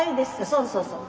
そうそうそう。